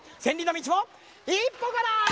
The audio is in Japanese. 千里の道も一歩から！